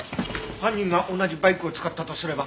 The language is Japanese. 犯人が同じバイクを使ったとすれば。